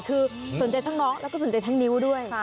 คือสนใจทั้งน้องแล้วก็สนใจทั้งนิ้วด้วย